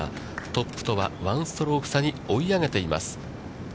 トップとは１ストローク差に追い上げています。